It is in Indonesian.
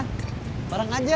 kota jawa tenggara